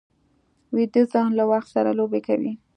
ویده ذهن له وخت سره لوبې کوي